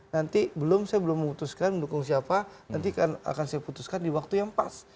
nanti belum saya belum memutuskan mendukung siapa nanti akan saya putuskan di waktu yang pas